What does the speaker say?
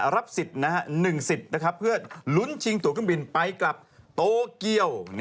รับสิทธิ์๑สิทธิ์เพื่อลุ้นชิงตัวเครื่องบินไปกลับโตเกียว